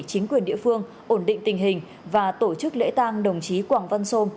chính quyền địa phương ổn định tình hình và tổ chức lễ tang đồng chí quảng văn sô